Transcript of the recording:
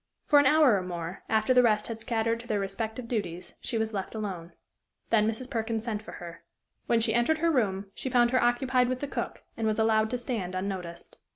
For an hour or more, after the rest had scattered to their respective duties, she was left alone. Then Mrs. Perkin sent for her. When she entered her room, she found her occupied with the cook, and was allowed to stand unnoticed.